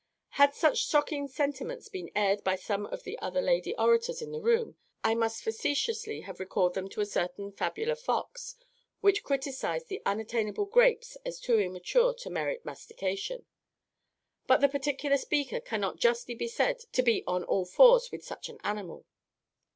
"Had such shocking sentiments been aired by some of the other lady orators in this room, I must facetiously have recalled them to a certain fabular fox which criticised the unattainable grapes as too immature to merit mastication; but the particular speaker cannot justly be said to be on all fours with such an animal.